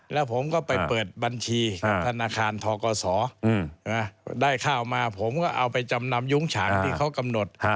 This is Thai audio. แล้วผมก็ไปเปิดบัญชีกับธนาคารทกศได้ข้าวมาผมก็เอาไปจำนำยุ้งฉางที่เขากำหนด